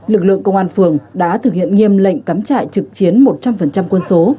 lực lượng công an phường đã thực hiện nghiêm lệnh cắm trại trực chiến một trăm linh quân số